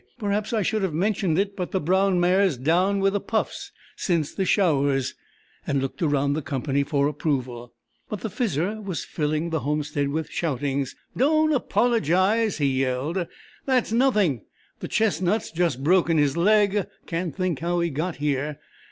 Perhaps I should have mentioned it, but the brown mare's down with the puffs since the showers," and looked around the company for approval. But the Fizzer was filling the homestead with shoutings: "Don't apologise," he yelled. "That's nothing! The chestnut's just broken his leg; can't think how he got here.